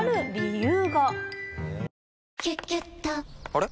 あれ？